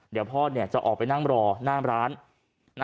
เดี๋ยวพ่อจะออกไปนั่งรอหน้าร้าน